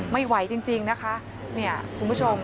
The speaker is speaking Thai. ไม่ไหวจริงนะคะนี่ผู้ชม